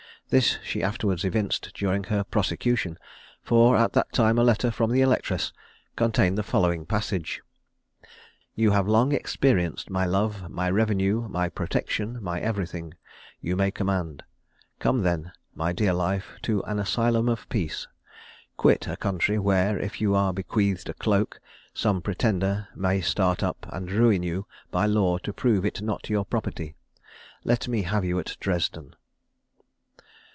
This she afterwards evinced during her prosecution; for at that time a letter from the electress contained the following passage: "You have long experienced my love; my revenue, my protection, my everything, you may command. Come then, my dear life, to an asylum of peace. Quit a country where, if you are bequeathed a cloak, some pretender may start up, and ruin you by law to prove it not your property. Let me have you at Dresden."